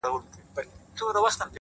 پاچا په خپلو لاسو بيا سپه سالار وتړی!